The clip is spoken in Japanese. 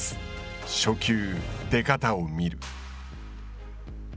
初球出方をみる。